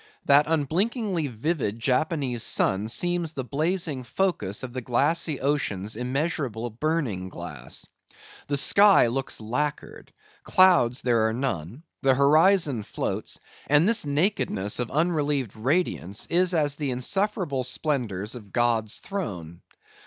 That unblinkingly vivid Japanese sun seems the blazing focus of the glassy ocean's immeasurable burning glass. The sky looks lacquered; clouds there are none; the horizon floats; and this nakedness of unrelieved radiance is as the insufferable splendors of God's throne.